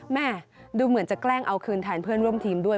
แม่ดูเหมือนจะแกล้งเอาคืนแทนเพื่อนร่วมทีมด้วย